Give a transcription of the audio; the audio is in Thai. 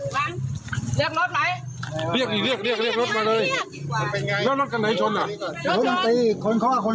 เรียกรถไหมเรียกเรียกเรียกเรียกรถมาเลย